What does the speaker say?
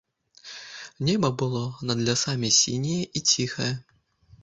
Неба было над лясамі сіняе і ціхае.